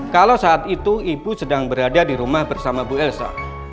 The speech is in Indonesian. kalau saat itu ibu sedang berada di rumah bersama bu elsa